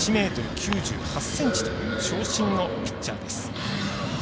１ｍ９８ｃｍという長身のピッチャーです。